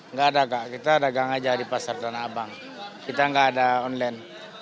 nggak ada kak kita dagang aja di pasar tanah abang kita nggak ada online